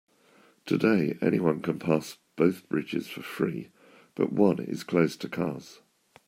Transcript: Today, anyone can pass both bridges for free, but one is closed to cars.